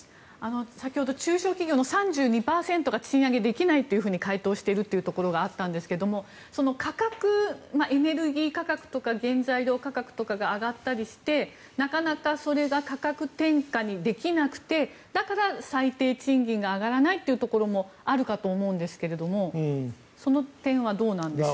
先ほど中小企業の３２％が賃上げできないと回答しているというところがあったんですがエネルギー価格とか原材料価格とかが上がったりしてなかなかそれが価格転嫁できなくてだから最低賃金が上がらないというところもあるかと思うんですけどもその点はどうなんでしょうか。